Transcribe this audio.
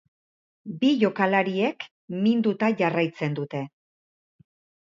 Bi jokalariek minduta jarraitzen dute.